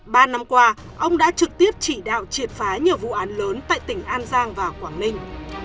ba năm qua ông đã trực tiếp chỉ đạo triệt phá nhiều vụ án lớn tại tỉnh an giang và quảng ninh